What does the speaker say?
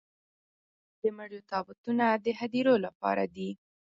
د مړو تابوتونه د هديرو لپاره دي.